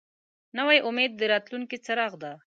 نوی امید د راتلونکي څراغ دی